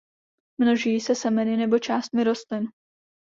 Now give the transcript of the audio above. Množí se semeny nebo částmi rostlin.